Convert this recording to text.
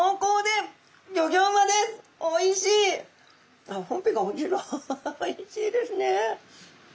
おいしいですね。